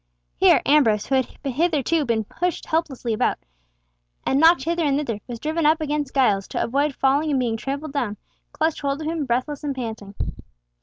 Here, Ambrose, who had hitherto been pushed helplessly about, and knocked hither and thither, was driven up against Giles, and, to avoid falling and being trampled down, clutched hold of him breathless and panting.